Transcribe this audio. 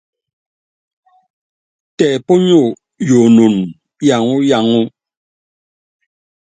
Tɛ ponyoo yoonúnú yaŋɔ yaŋɔ.